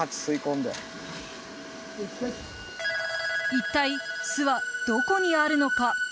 一体、巣はどこにあるのか。